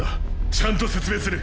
ちゃんと説明する。